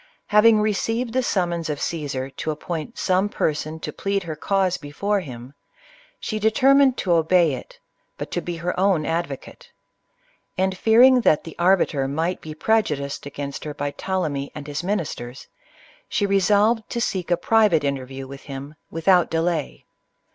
Having deceived the summons of Caesar to ap point some person to plead her cause before him, she determined to obey it, but to be her own advocate ; and fearing that the arbiter might be prejudiced against her by Ptolemy and his ministers, she re solved to seek a private interview with him, without delay.